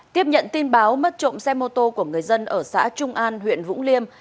tiếp nhận tin báo mất trộm xe mô tô của người dân ở xã trung an huyện vũng liêm